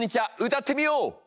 歌ってみよう！